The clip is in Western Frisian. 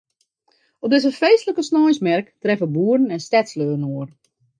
Op dizze feestlike sneinsmerk treffe boeren en stedslju inoar.